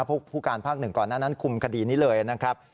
ผู้การภาคหนึ่งก่อนหน้านั้นคุมคดีนี้เลยนะครับ